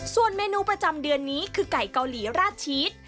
ส่วนเมนูประจำเดือนนี้คือไก่เกาหลีราดชีส